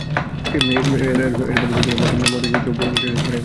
এরা দক্ষিণ আমেরিকা মহাদেশের উত্তর উপকূল অঞ্চলে এখনও বাস করে।